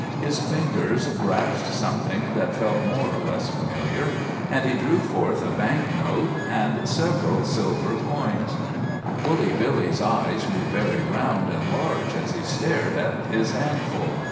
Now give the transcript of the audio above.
His fingers grasped something which felt more or less familiar, and he drew forth a bank note and several silver coins. Woolly Billy's eyes grew very round and large as he stared at his handful.